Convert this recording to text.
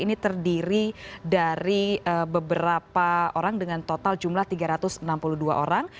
ini terdiri dari beberapa orang dengan total jumlah tiga ratus enam puluh dua orang